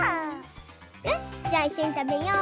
よしじゃあいっしょにたべよう。